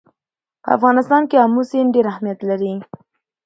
په افغانستان کې آمو سیند ډېر اهمیت لري.